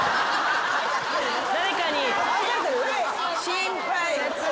心配。